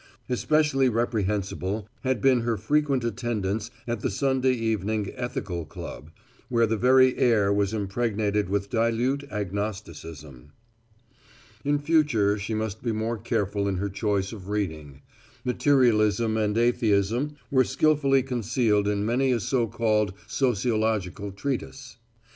Especially reprehensible had been her frequent attendance at the Sunday Evening Ethical Club, where the very air was impregnated with dilute agnosticism. In future she must be more careful in her choice of reading. Materialism and atheism were skillfully concealed in many a so called sociological treatise.